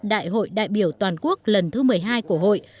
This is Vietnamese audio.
đại hội đại biểu toàn quốc lần thứ một mươi hai của hội